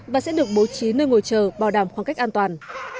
và sẽ được bố trí nơi ngồi chờ bảo đảm khoảng cách an toàn